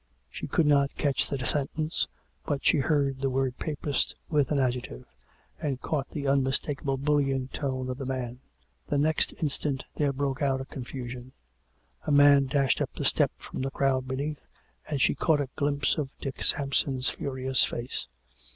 She could not catch the sentence, but she heard the word " Papist " with an adjective, and caught the unmistakable bullying tone of the man. The next instant there broke out a confusion: a man dashed up the step from the crowd beneath, and she caught a glimpse of Dick Sampson's furious face.